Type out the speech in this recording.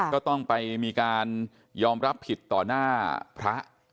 ก็ต้องไปมีการยอมรับผิดต่อหน้าพระ